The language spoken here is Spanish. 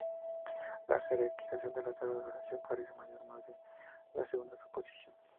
La jerarquización de la sala de oración parece apoyar más bien la segunda suposición.